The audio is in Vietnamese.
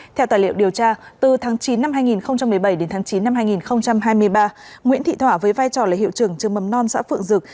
theo tài liệu điều tra từ tháng chín năm hai nghìn một mươi bảy đến tháng chín năm hai nghìn hai mươi ba nguyễn thị thỏa với vai trò là hiệu trưởng trường mầm non xã phượng dực